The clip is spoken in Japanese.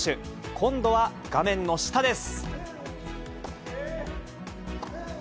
今度は画面の下です。